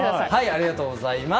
ありがとうございます。